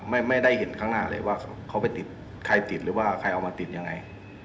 ไม่ได้เห็นข้างหน้าเลยว่าเขาไปติดใครติดหรือว่าใครเอามาติดยังไง